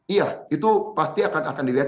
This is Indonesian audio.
iya itu pasti akan dilihat